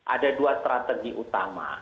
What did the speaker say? ada dua strategi utama